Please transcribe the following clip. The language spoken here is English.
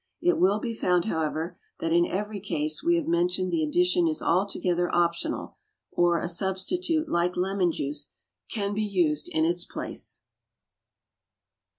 It will be found, however, that in every case we have mentioned the addition is altogether optional, or a substitute like lemon juice can be used in its place.